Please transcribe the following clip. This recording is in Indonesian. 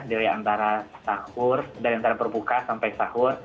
dari antara sahur dari antara berbuka sampai sahur